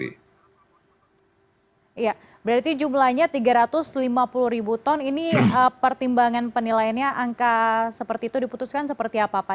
iya berarti jumlahnya tiga ratus lima puluh ribu ton ini pertimbangan penilaiannya angka seperti itu diputuskan seperti apa pak